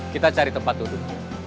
kita cari tempat duduk